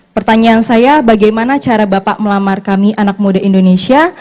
pertanyaan saya bagaimana cara bapak melamar kami anak muda indonesia